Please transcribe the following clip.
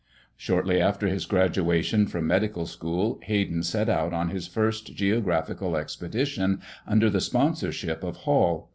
Shortly after his graduation from medical school, Hayden set out on his first geographical expedition under the sponsorship of Hall.